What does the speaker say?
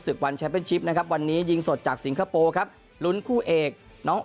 ศึกวันนะครับวันนี้ยิงสดจากสิงคโปร์ครับลุ้นคู่เอกน้อง